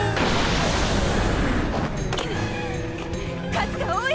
数が多い！